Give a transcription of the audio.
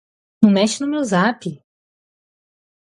Não mexe no meu zap